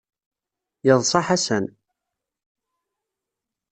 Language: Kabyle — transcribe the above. Yeḍsa Ḥasan.